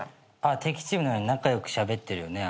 敵チームなのに仲良くしゃべってるよね